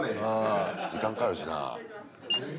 時間かかるしな。